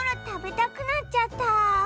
たべたくなっちゃった。